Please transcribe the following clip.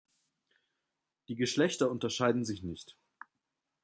Die Geschlechter unterscheiden sich nicht.